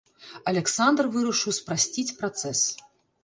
Аляксандр вырашыў спрасціць працэс.